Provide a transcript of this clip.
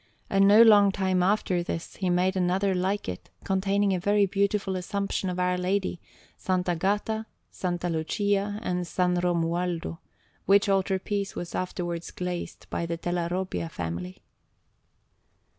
And no long time after this he made another like it, containing a very beautiful Assumption of Our Lady, S. Agata, S. Lucia, and S. Romualdo; which altar piece was afterwards glazed by the Della Robbia family.